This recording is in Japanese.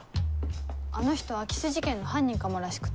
あの人空き巣事件の犯人かもらしくて。